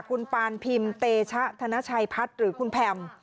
คุณปานพิมเตชะธนชัยพัฒน์หรือคุณแพม